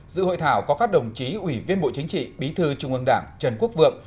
dự hội thảo có các đồng chí ủy viên bộ chính trị bí thư trung ương đảng trần quốc vượng